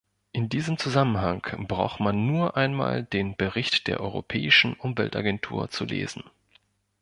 In diesem Zusammenhang braucht man nur einmal den Bericht der Europäischen Umweltagentur zu lesen.